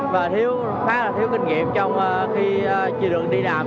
và khá là thiếu kinh nghiệm trong khi chơi đường đi đàm